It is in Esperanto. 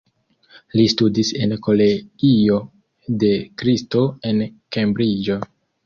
Li studis en Kolegio de kristo, en Kembriĝo.